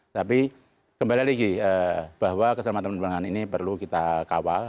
tapi kembali lagi bahwa keselamatan penerbangan ini perlu kita kawal